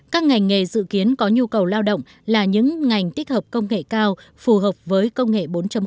các ngành nghề dự kiến có nhu cầu lao động là những ngành tích hợp công nghệ cao phù hợp với công nghệ bốn